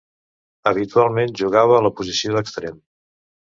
Habitualment jugava a la posició d'extrem.